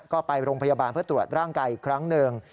ก็ไปโรงพยาบาลเพื่อตรวจร่างกายอีกครั้งหนึ่ง